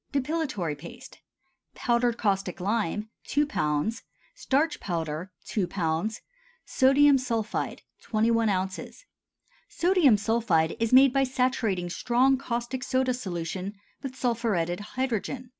DEPILATORY PASTE. Powdered caustic lime 2 lb. Starch powder 2 lb. Sodium sulphide 21 oz. Sodium sulphide is made by saturating strong caustic soda solution with sulphuretted hydrogen.